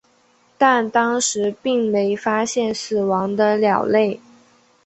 但当时并没发现死亡的鸟类。